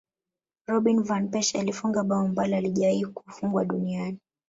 robin van persie alifunga bao ambalo halijawahi Kufungwa duniani